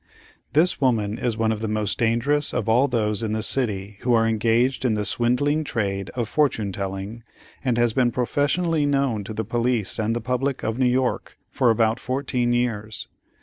This woman is one of the most dangerous of all those in the city who are engaged in the swindling trade of Fortune Telling, and has been professionally known to the police and the public of New York for about fourteen years.